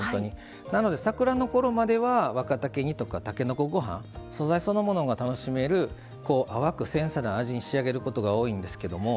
なので、桜のころまでは若竹煮とかたけのこご飯素材そのものが楽しめる、淡く繊細な味に仕上げることが多いんですが。